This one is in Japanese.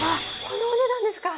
このお値段ですか！